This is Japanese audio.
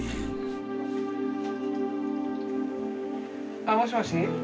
あっもしもし。